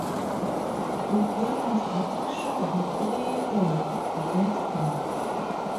The game was later shown playable the next day.